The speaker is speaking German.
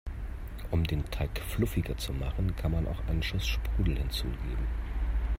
Um den Teig fluffiger zu machen, kann man auch einen Schuss Sprudel hinzugeben.